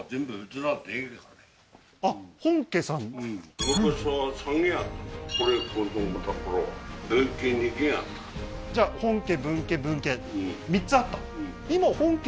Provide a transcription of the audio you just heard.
あっ本家さんじゃあ本家分家分家３つあった？